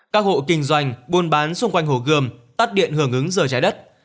các hộ kinh doanh buôn bán xung quanh hồ gươm tắt điện hưởng ứng giờ trái đất